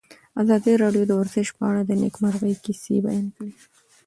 ازادي راډیو د ورزش په اړه د نېکمرغۍ کیسې بیان کړې.